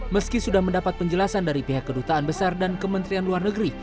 meski sudah mendapat penjelasan dari pihak kedutaan besar dan kementerian luar negeri